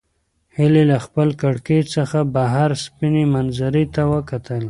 هیلې له خپلې کړکۍ څخه بهر سپینې منظرې ته وکتل.